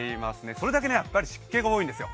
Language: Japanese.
それだけ湿気が多いんですよ。